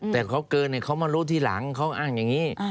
แต่เขาเกินเขามารู้ทีหลังเขาอ้างอย่างนี้